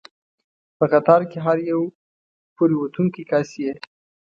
په قطار کې هر یو پورې ووتونکی کس یې.